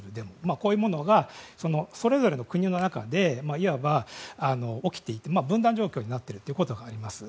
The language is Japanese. こういうものがそれぞれの国の中でいわば起きていて分断状況になっているということがあります。